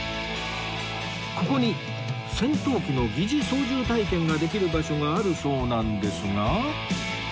ここに戦闘機の疑似操縦体験ができる場所があるそうなんですが